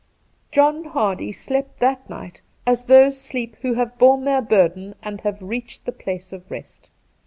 John Hardy slept that night as those sleep who have borne their burden and have reached the place of rest.